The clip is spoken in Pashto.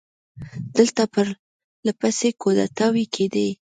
دلته پر له پسې کودتاوې کېدې.